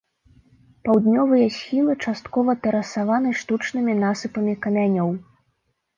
Паўднёвыя схілы часткова тэрасаваны штучнымі насыпамі камянёў.